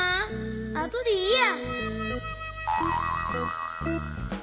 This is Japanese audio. あとでいいや。